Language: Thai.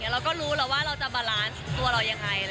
เราก็รู้แล้วว่าเราจะบาลานซ์ตัวเรายังไง